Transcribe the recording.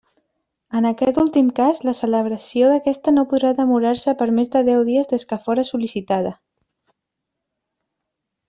En aquest últim cas, la celebració d'aquesta no podrà demorar-se per més de deu dies des que fóra sol·licitada.